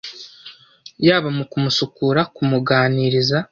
yaba mu kumusukura, kumuganiriza